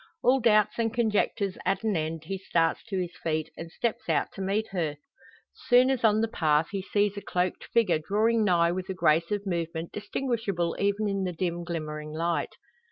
All doubts and conjectures at an end, he starts to his feet, and steps out to meet her. Soon as on the path he sees a cloaked figure, drawing nigh with a grace of movement distinguishable even in the dim glimmering light.